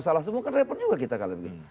salah semua kan repot juga kita kalau begitu